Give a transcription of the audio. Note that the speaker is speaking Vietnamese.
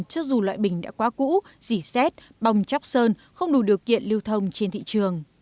trước dù loại bình đã quá cũ dỉ xét bong chóc sơn không đủ điều kiện lưu thông trên thị trường